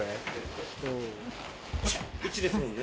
１ですもんね。